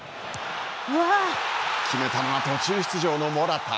決めたのは途中出場のモラタ。